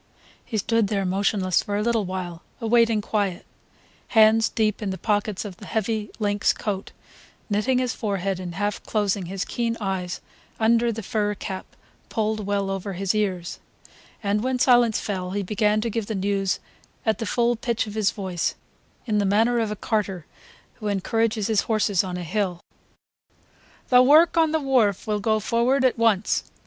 He stood there motionless for a little while, awaiting quiet, hands deep in the pockets of the heavy lynx coat, knitting his forehead and half closing his keen eyes under the fur cap pulled well over his ears; and when silence fell he began to give the news at the full pitch of his voice, in the manner of a carter who encourages his horses on a hill. "The work on the wharf will go forward at once